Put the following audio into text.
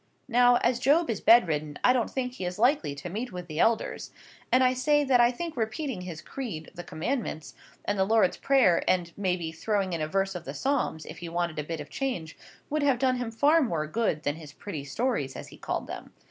Now, as Job is bedridden, I don't think he is likely to meet with the Elders, and I say that I think repeating his Creed, the Commandments, and the Lord's Prayer, and, maybe, throwing in a verse of the Psalms, if he wanted a bit of a change, would have done him far more good than his pretty stories, as he called them.